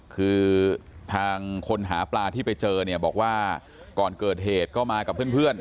คือทางคนหาปลาที่ไปเจอเนี่ยบอกว่าก่อนเกิดเหตุก็มากับเพื่อน